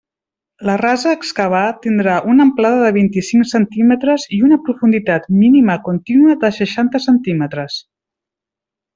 La rasa a excavar tindrà una amplada de vint-i-cinc centímetres i una profunditat mínima contínua de seixanta centímetres.